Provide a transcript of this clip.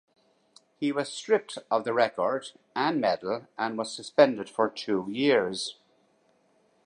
He was stripped of the record and medal and was suspended for two years.